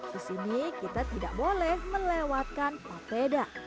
di sini kita tidak boleh melewatkan papeda